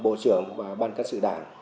bộ trưởng và ban cát sự đảng